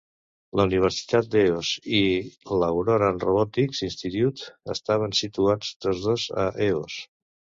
La Universitat d'Eos i l'Auroran Robotics Institute estaven situats tots dos a Eos.